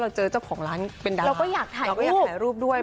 เราเจอเจ้าของร้านเป็นดาวเราก็อยากถ่ายรูปด้วย